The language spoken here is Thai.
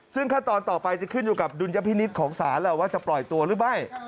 ซึ่งขั้นตอนต่อไปจะขึ้นอยู่กับดุลยพินิษฐ์ของศาลแล้วว่าจะปล่อยตัวหรือไม่